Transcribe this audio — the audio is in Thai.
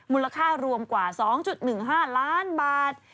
มูลค่ารวมกว่า๒๑๕ล้านบาท